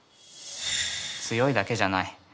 強いだけじゃない。